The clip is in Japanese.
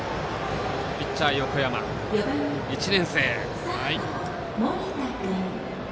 ピッチャー、横山１年生。